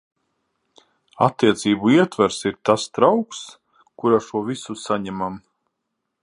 Attiecību ietvars ir tas trauks, kurā šo visu saņemam.